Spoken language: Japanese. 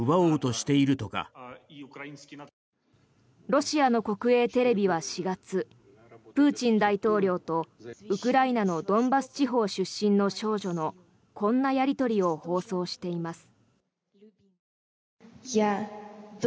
ロシアの国営テレビは４月プーチン大統領とウクライナのドンバス地方出身の少女のこんなやり取りを放送しています。